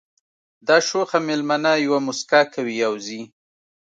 دا شوخه مېلمنه یوه مسکا کوي او ځي